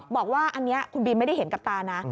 บอกว่าอันนี้คุณบีมไม่ได้เห็นกับตานะ